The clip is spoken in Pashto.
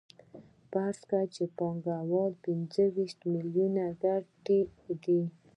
فرض کړئ پانګوال پنځه ویشت میلیونه ګټلي دي